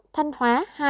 thành hóa hai